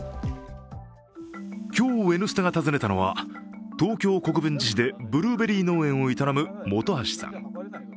今日、「Ｎスタ」が訪ねたのは東京・国分寺市でブルーベリー農園を営む本橋さん。